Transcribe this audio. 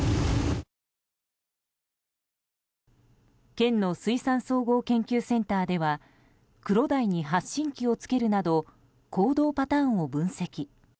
県の水産総合研究センターではクロダイに発信器を取り付けるなど行動パターンを分析。